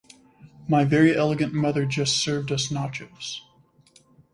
My very elegant mother just served us nachos.